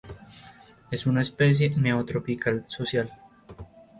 Es una especie neotropical social.